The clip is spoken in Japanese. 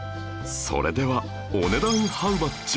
それではお値段ハウマッチ？